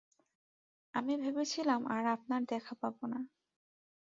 আমি ভেবেছিলাম আর আপনার দেখা পাবোনা।